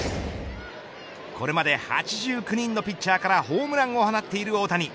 これまで８９人のピッチャーからホームランを放っている大谷。